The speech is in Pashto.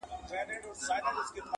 ایله عقل د کومول ورغی سرته!!